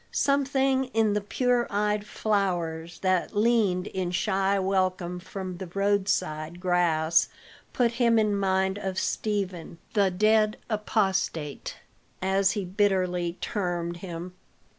Something in the pure eyed flowers that leaned in shy welcome from the roadside grass put him in mind of Stephen, the dead apostate, as he bitterly termed him.